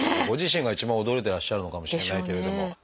ご自身が一番驚いてらっしゃるのかもしれないけれども。